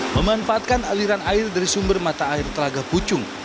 memanfaatkan aliran air dari sumber mata air telaga pucung